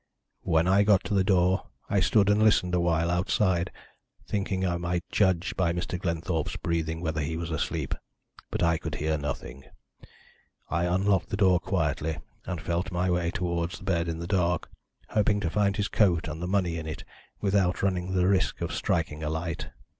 When I got to the door I stood and listened awhile outside, thinking I might judge by Mr. Glenthorpe's breathing whether he was asleep, but I could hear nothing. I unlocked the door quietly, and felt my way towards the bed in the dark, hoping to find his coat and the money in it without running the risk of striking a light.